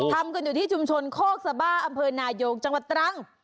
ทำกันอยู่ที่ชุมชนโคกสบ้าอำเภอนายงจังหวัดตรัง